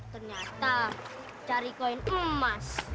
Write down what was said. ternyata cari koin emas